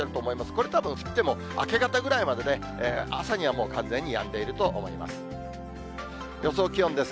これたぶん降っても、明け方ぐらいまでで、朝にはもう完全にやんでいると思います。